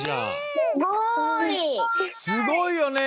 すごいよね！